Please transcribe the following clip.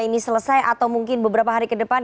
ini selesai atau mungkin beberapa hari ke depan